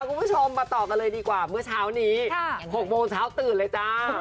คุณผู้ชมมาต่อกันเลยดีกว่าเมื่อเช้านี้๖โมงเช้าตื่นเลยจ้า